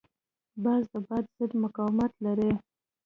باز د باد ضد مقاومت لري